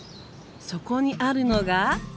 そこにあるのが。